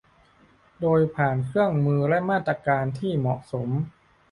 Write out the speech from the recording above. โดยผ่านเครื่องมือและมาตรการที่เหมาะสม